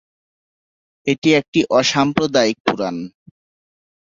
এটি একটি অসাম্প্রদায়িক পুরাণ।